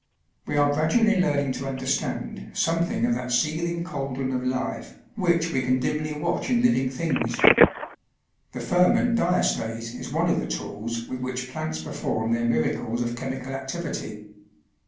We are gradually learning to understand something of that seething cauldron of life which we can dimly watch in living things. The ferment diastase is one of the tools with which plants perform their miracles of chemical activity.